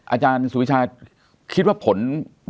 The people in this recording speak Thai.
อาจารย์สุวิชาคิดว่าปรุยัคโลค